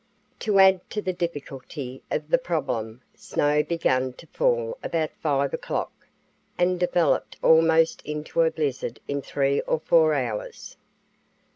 To add to the difficulty of the problem, snow began to fall about 5 o'clock, and developed almost into a blizzard in three or four hours.